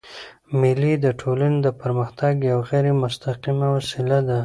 مېلې د ټولني د پرمختګ یوه غیري مستقیمه وسیله ده.